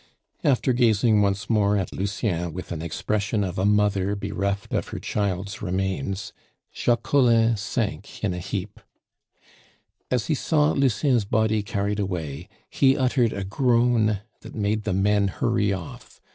After gazing once more at Lucien with an expression of a mother bereft of her child's remains, Jacques Collin sank in a heap. As he saw Lucien's body carried away, he uttered a groan that made the men hurry off.